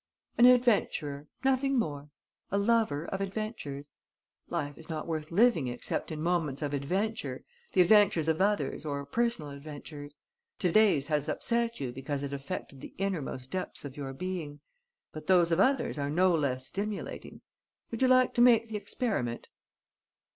"An adventurer. Nothing more. A lover of adventures. Life is not worth living except in moments of adventure, the adventures of others or personal adventures. To day's has upset you because it affected the innermost depths of your being. But those of others are no less stimulating. Would you like to make the experiment?"